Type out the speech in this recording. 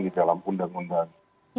di dalam undang undang